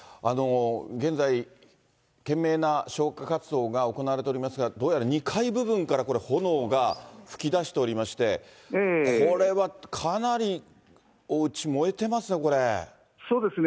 現在、懸命な消火活動が行われておりますが、どうやら２階部分からこれ、炎が噴き出しておりまして、これはかなりおうち、そうですね。